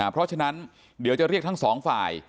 เพราะฉะนั้นเดี๋ยวจะเรียกทั้งสองฝ่าย